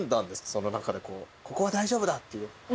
その中でここは大丈夫だっていう。